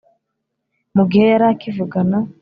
Mu gihe yari akivugana